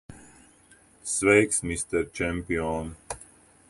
Sveiks, mister čempion!